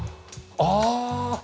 ああ。